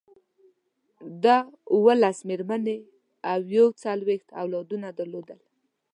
ده اوولس مېرمنې او یو څلویښت اولادونه درلودل.